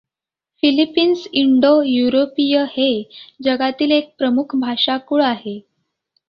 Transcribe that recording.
फिलिपिन्सइंडो युरोपीय हे जगातील एक प्रमुख भाषाकुळ आहे.